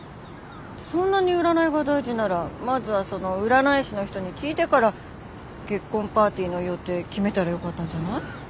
そんなに占いが大事ならまずはその占い師の人に聞いてから結婚パーティーの予定決めたらよかったんじゃない？